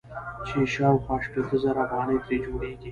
چې شاوخوا شپېته زره افغانۍ ترې جوړيږي.